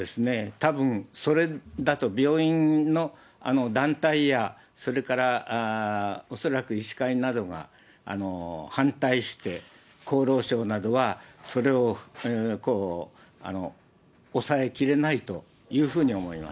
たぶん、それだと病院の団体や、それから恐らく医師会などが反対して、厚労省などはそれを抑えきれないというふうに思います。